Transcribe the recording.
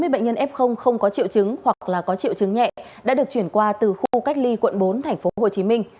bốn mươi bệnh nhân f không có triệu chứng hoặc là có triệu chứng nhẹ đã được chuyển qua từ khu cách ly quận bốn tp hcm